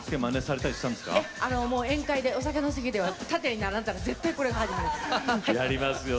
宴会でお酒の席では縦に並んだら、絶対これやります。